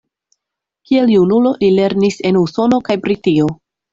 Kiel junulo, li lernis en Usono kaj Britio.